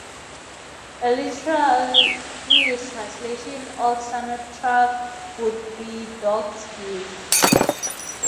A literal English translation of Sanatruk would be, Dog's gift.